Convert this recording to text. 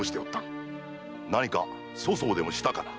何か粗相でもしたかな？